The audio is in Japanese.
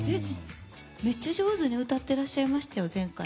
めっちゃ上手に歌ってらっしゃいましたよ前回。